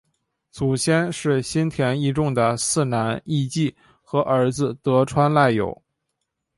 祖先是新田义重的四男义季和儿子得川赖有。